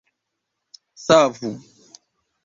savu